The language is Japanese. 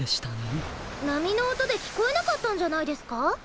なみのおとできこえなかったんじゃないですか？